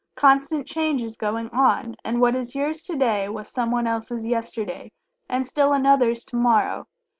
Constant change is going on, and what is yours to day was someone's else yesterday, and still another's to morrow.